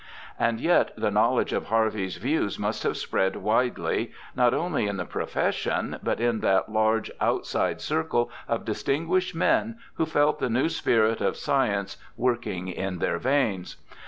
And yet the knowledge of Harvey's views must have spread widely, not only in the profession, but in that large outside circle of distinguished men who felt the new spirit of science working in their veins.